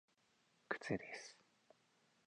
苦痛です。